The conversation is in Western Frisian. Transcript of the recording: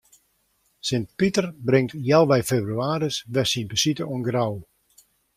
Sint Piter bringt healwei febrewaarje wer syn besite oan Grou.